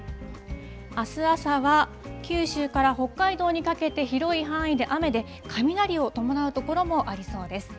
あす朝は九州から北海道にかけて広い範囲で雨で、雷を伴う所もありそうです。